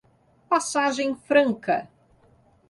Passagem Franca